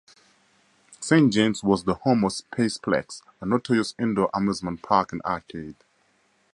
Saint James was the home of Spaceplex, a notorious indoor amusement park and arcade.